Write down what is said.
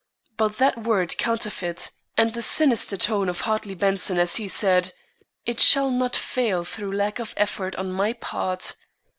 But that word "Counterfeit," and the sinister tone of Hartley Benson as he said: "It shall not fail through lack of effort on my part!"